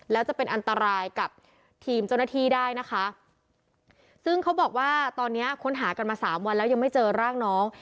แล้วจะเป็นอันตรายกับทีมเจ้าหน้าที่ได้นะคะซึ่งเขาบอกว่าตอนเนี้ยค้นหากันมาสามวันแล้วยังไม่เจอร่างน้อง